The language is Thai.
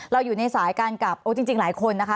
เราอยู่ในสายการกลับจริงหลายคนนะคะ